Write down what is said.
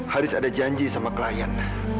harus ada janji sama klien